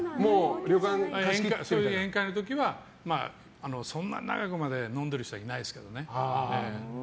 そういう宴会の時はそんなに長くまで飲んでる人はいないですけどね。